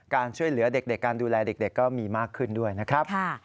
การช่วยเหลือเด็กการดูแลเด็กก็มีมากขึ้นด้วยนะครับ